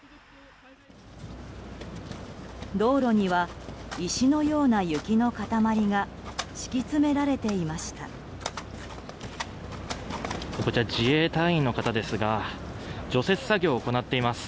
道路には、石のような雪の塊が敷き詰められていました。